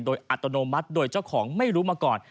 โดยอัตโนมัติโดยเจ้าของไม่รู้มาก่อน